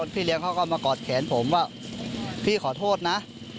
พี่เลี้ยงเขาก็มากอดแขนผมว่าพี่ขอโทษนะ